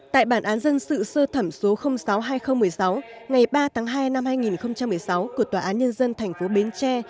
tại bản án dân sự sơ thẩm số sáu hai nghìn một mươi sáu ngày ba tháng hai năm hai nghìn một mươi sáu của tòa án nhân dân thành phố bến tre